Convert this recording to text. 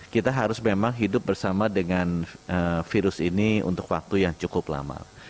kita harus memang hidup bersama dengan virus ini untuk waktu yang cukup lama